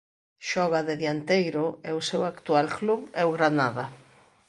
Xoga de dianteiro e o seu actual club é o Granada.